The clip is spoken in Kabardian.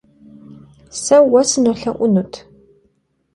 Se vue sınolhe'unut.